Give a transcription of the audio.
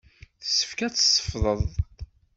Tessefk-ak tesfeḍt.